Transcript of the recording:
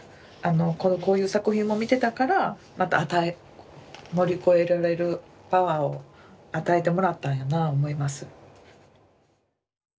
こういう作品も見てたから乗り越えられるパワーを与えてもらったんやなあ思います。